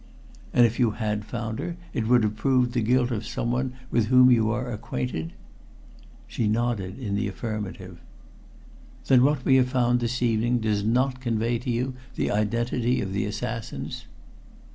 "And if you had found her it would have proved the guilt of someone with whom you are acquainted?" She nodded in the affirmative. "Then what we have found this evening does not convey to you the identity of the assassins?"